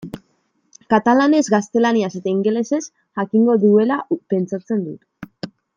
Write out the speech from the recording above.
Katalanez, gaztelaniaz eta ingelesez jakingo duela pentsatzen dut.